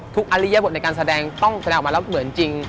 อริยบทในการแสดงต้องแสดงออกมาแล้วเหมือนจริง